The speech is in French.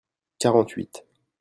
quarante huit.